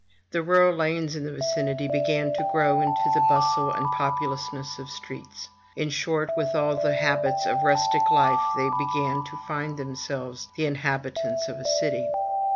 The rural lanes in the vicinity began to grow into the bustle and populousness of streets; in short, with all the habits of rustic life they began to find themselves the inhabitants of a city.